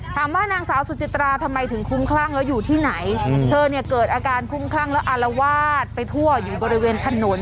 นางสาวสุจิตราทำไมถึงคุ้มคลั่งแล้วอยู่ที่ไหนเธอเนี่ยเกิดอาการคุ้มคลั่งแล้วอารวาสไปทั่วอยู่บริเวณถนน